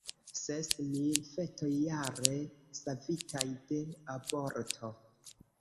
Ses mil fetoj jare savitaj de aborto.